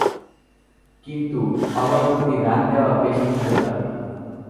কিন্তু ওভার প্রতি রান দেয়া বেশি ছিল তার।